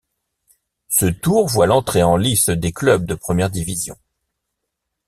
Ce tour voit l'entrée en lice des clubs de première division.